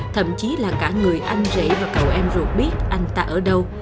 thậm chí là cả người anh rể và cậu em ruột biết anh ta ở đâu